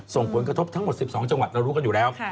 ส่งผลกระทบทั้งหมด๑๒จังหวัดเรารู้กันอยู่แล้ว